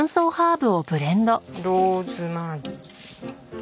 ローズマリー。